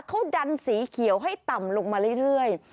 เขาดันสีเขียวให้ต่ำลงมาเรื่อย